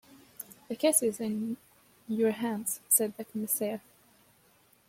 "The case is in your hands," said the Commissaire.